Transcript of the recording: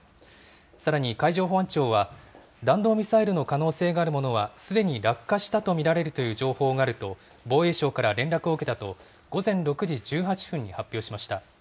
さらに海上保安庁は、弾道ミサイルの可能性があるものは、すでに落下したと見られるという情報があると、防衛省から連絡を受けたと、午前６時１８分に発表しました。